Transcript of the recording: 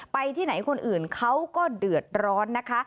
ไปที่ไหนคนอื่นเขาก็เดือดร้อนนะคะ